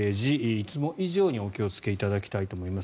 いつも以上にお気をつけいただきたいと思います。